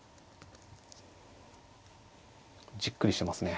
じっくりしてますね。